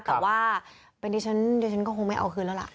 แต่ว่าเดี๋ยวฉันก็คงไม่เอาคืนแล้วล่ะ